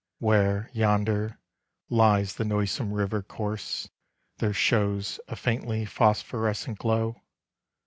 — Where, yonder, lies the noisome river course, There shows a faintly phosphorescent glow.